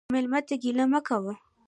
مېلمه ته ګیله مه کوه.